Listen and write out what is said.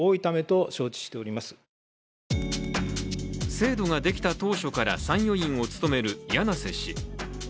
制度ができた当初から参与員を務める柳瀬氏。